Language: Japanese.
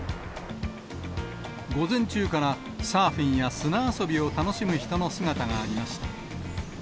午前中からサーフィンや砂遊びを楽しむ人の姿がありました。